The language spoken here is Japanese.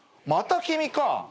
また君か。